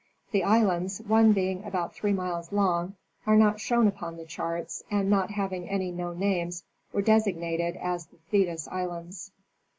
The islands, one being about three miles long, are not shown upon the charts, and not having any known names were designated as the Thetis islands.